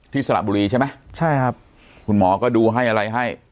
สระบุรีใช่ไหมใช่ครับคุณหมอก็ดูให้อะไรให้